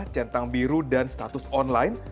centang biru dan status online